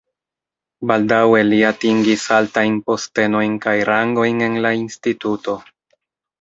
Baldaŭe li atingis altajn postenojn kaj rangojn en la instituto.